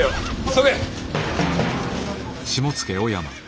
急げ！